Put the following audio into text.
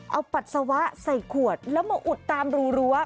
เอาปัสสาวะใส่ขวดแล้วมาอุดตามรูรั้ว